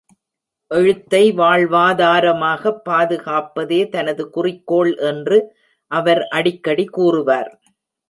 எழுத்தை வாழ்வாதாரமாக பாதுகாப்பதே தனது குறிக்கோள் என்று அவர் அடிக்கடி கூறுவார்.